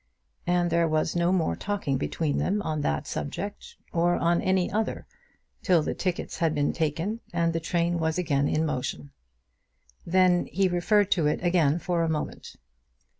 And there was no more talking between them on that subject, or on any other, till the tickets had been taken and the train was again in motion. Then he referred to it again for a moment.